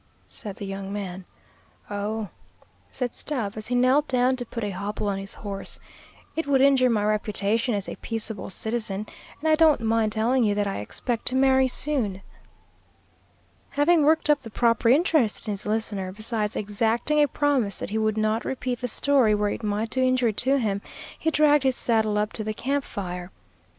said the young man. "Oh," said Stubb, as he knelt down to put a hobble on his horse, "it would injure my reputation as a peaceable citizen, and I don't mind telling you that I expect to marry soon." Having worked up the proper interest in his listener, besides exacting a promise that he would not repeat the story where it might do injury to him, he dragged his saddle up to the camp fire.